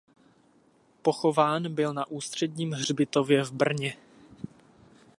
Pochován byl na Ústředním hřbitově v Brně.